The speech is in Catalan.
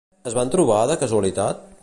Es van trobar de casualitat?